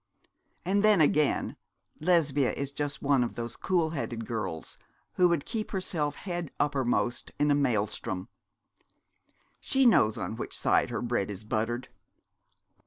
And then again, Lesbia is just one of those cool headed girls who would keep herself head uppermost in a maelstrom. She knows on which side her bread is buttered.